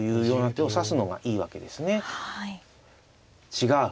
違う。